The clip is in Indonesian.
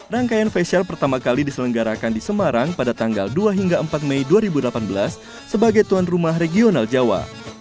rangkaian facial pertama kali diselenggarakan di semarang pada tanggal dua hingga empat mei dua ribu delapan belas sebagai tuan rumah regional jawa